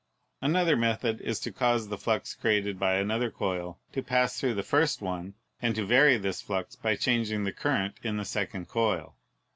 Another method is to cause the flux created by another coil to pass through the first one and to vary this flux by changing the current in the second coil.